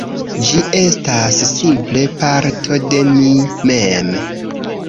Ĝi estas simple parto de mi mem